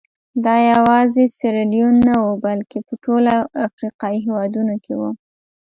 دا یوازې سیریلیون نه وو بلکې په ټولو افریقایي هېوادونو کې وو.